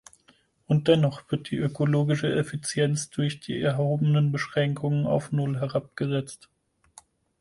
Und dennoch wird die ökologische Effizienz durch die erhobenen Beschränkungen auf null herabgesetzt!